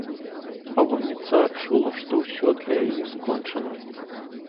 Палонніца адчула, што ўсё для яе скончана.